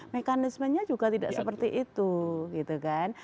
mekanismenya juga tidak seperti itu gitu kan